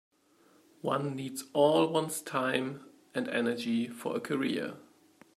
One needs all one's time and energy for a career.